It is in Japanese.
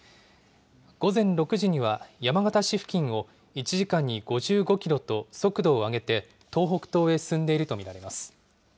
午前６時には、山形市付近を１時間に５５キロと速度を上げて、東北東へ進んでいると見られます。